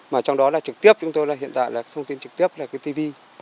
mà trong đó là trực tiếp chúng tôi là hiện tại là thông tin trực tiếp là cái tv